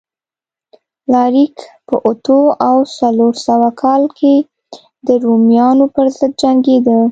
الاریک په اتو او څلور سوه کال کې د رومیانو پرضد جنګېده